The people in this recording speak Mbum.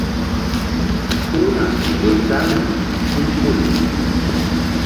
Hewna ƴo ndar nzuk tul ful.